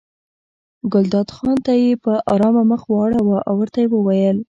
ګلداد خان ته یې په ارامه مخ واړاوه او ورته ویې ویل.